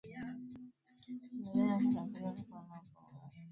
Maendeleo yake katika kupona hupungua